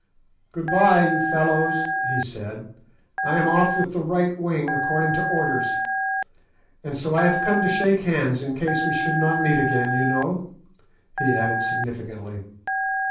"Good bye, you fellows," he said; "I am off with the right wing according to orders; and so I have come to shake hands, in case we should not meet again, you know," he added significantly.